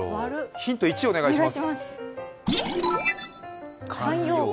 ヒント１をお願いします。